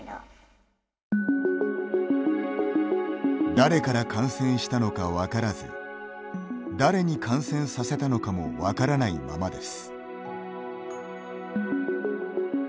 誰から感染したのか分からず誰に感染させたのかも分からないままです。